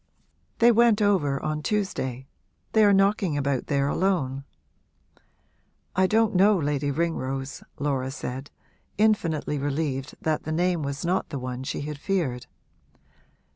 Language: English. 'They went over on Tuesday they are knocking about there alone.' 'I don't know Lady Ringrose,' Laura said, infinitely relieved that the name was not the one she had feared.